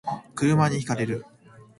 車に轢かれる